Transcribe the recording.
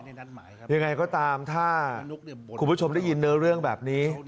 ยังไงก็ตามถ้าคุณผู้ชมได้ยินเนื้อเรื่องแบบนี้